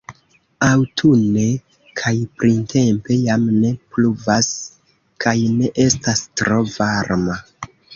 Aŭtune kaj printempe jam ne pluvas kaj ne estas tro varma.